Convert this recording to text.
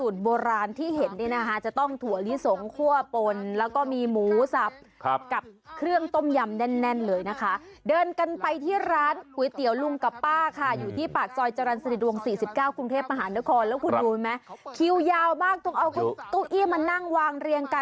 ขออนุญาตสงวนนักสกุลแล้วก็ชื่อเอาไว้นะ